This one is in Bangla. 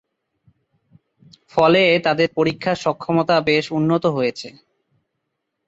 ফলে তাদের পরীক্ষার সক্ষমতা বেশ উন্নত হয়েছে।